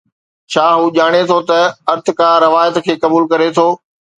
ڇا هو ڄاڻي ٿو ته ارتقاء روايت کي قبول ڪري ٿو؟